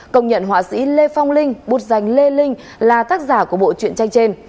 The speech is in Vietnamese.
công nhận họa sĩ lê phong linh bút giành lê linh là tác giả của bộ truyện tranh trên